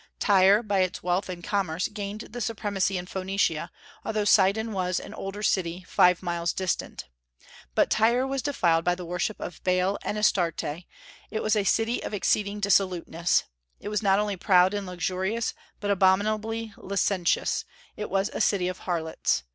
Tyre, by its wealth and commerce, gained the supremacy in Phoenicia, although Sidon was an older city, five miles distant. But Tyre was defiled by the worship of Baal and Astarte; it was a city of exceeding dissoluteness. It was not only proud and luxurious, but abominably licentious; it was a city of harlots.